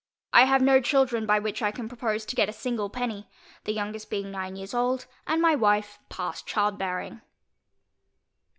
I have no children, by which I can propose to get a single penny; the youngest being nine years old, and my wife past child bearing.